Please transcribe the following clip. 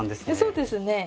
そうですね。